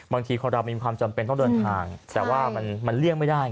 บางทีคนเรามีความจำเป็นต้องเดินทางแต่ว่ามันเลี่ยงไม่ได้